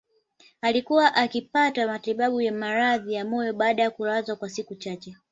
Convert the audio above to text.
Alikuwa akipatiwa matibabu ya maradhi ya moyo baada ya kulazwa kwa siku chache